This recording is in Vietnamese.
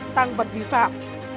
tăng vật vi phạm